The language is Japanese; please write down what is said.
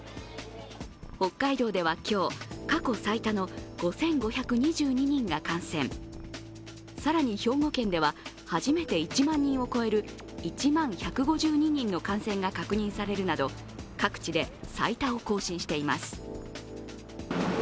北海道では今日、過去最多の５５２２人が感染、更に兵庫県では初めて１万人を超える１万１５２人の感染が確認されるなど、各地で最多を更新しています。